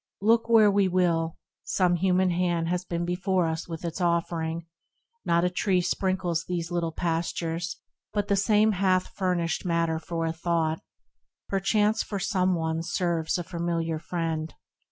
Look where we will, some human hand has been Before us with its offering ; not a tree Sprinkles these little pastures, but the same 30 THE RECLUSE Hath furnished matter for a thought ; perchance For some one serves as a familiar friend.